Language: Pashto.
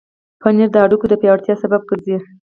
پنېر د هډوکو د پیاوړتیا سبب ګرځي.